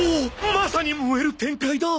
まさに燃える展開だ！